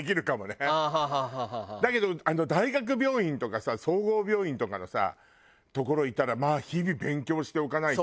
だけど大学病院とかさ総合病院とかの所いたらまあ日々勉強しておかないと。